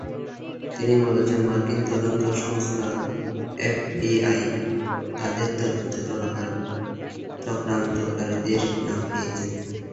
তিনি বলেছেন, মার্কিন তদন্ত সংস্থা এফবিআই তাদের তদন্তে চক্রান্তকারীদের নাম পেয়েছে।